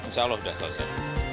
insya allah sudah selesai